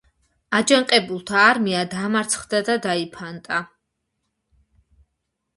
აჯანყებულთა არმია დამარცხდა და დაიფანტა.